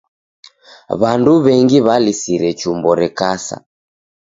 W'andu w'engi w'alisire chumbo rekasa.